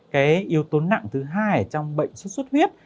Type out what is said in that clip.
cái yếu tố nặng thứ hai trong bệnh số suất huyết